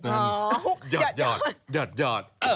หยอดหยอดหยอดหยอด